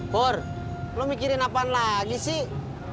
hur lo mikirin apaan lagi sih